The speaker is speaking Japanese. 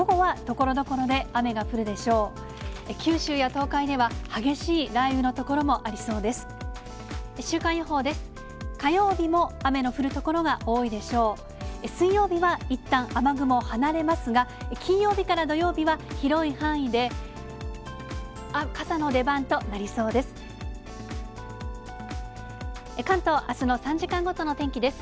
水曜日はいったん雨雲、離れますが、金曜日から土曜日は、広い範囲で傘の出番となりそうです。